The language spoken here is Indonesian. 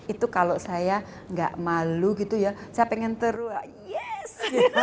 itu kalau saya gak malu gitu ya saya pengen teruak yes